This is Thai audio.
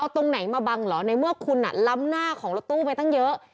ตรงไหนมาบังเหรอในเมื่อคุณล้ำหน้าของรถตู้ไปตั้งเยอะ